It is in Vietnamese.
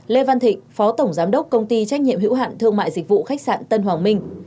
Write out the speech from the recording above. lê văn thịnh phó tổng giám đốc công ty trách nhiệm hữu hạn thương mại dịch vụ khách sạn tân hoàng minh